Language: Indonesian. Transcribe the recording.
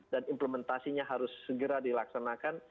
dan implementasinya harus segera dilaksanakan